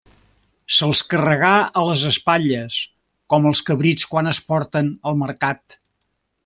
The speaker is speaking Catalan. Se'ls carregà a les espatlles, com els cabrits quan es porten al mercat.